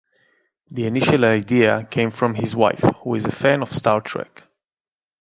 The initial idea came from his wife, who is a fan of "Star Trek".